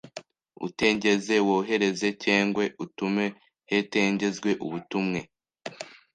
utengeze, wohereze cyengwe utume hetengezwe ubutumwe